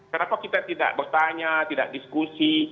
kenapa kita tidak bertanya tidak diskusi